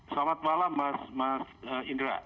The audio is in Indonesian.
selamat malam mas indra